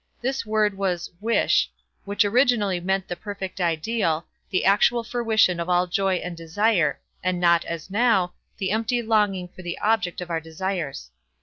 This word was "Wish", which originally meant the perfect ideal, the actual fruition of all joy and desire, and not, as now, the empty longing for the object of our desires.